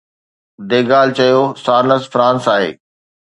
De Gaulle چيو: Sartre France آهي.